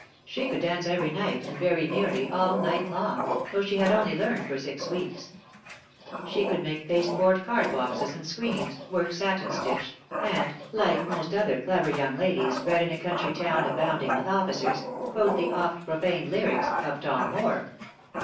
She could dance every night, and very nearly all night long, though she had only learned for six weeks; she could make pasteboard card boxes and screens, work satin stitch, and (like most other clever young ladies bred in a country town abounding with officers) quote the oft profaned lyrics of Tom Moore.